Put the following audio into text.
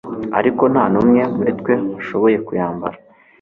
ariko nta numwe muri twe washoboye kuyambara